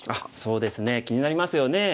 そうですね気になりますよね。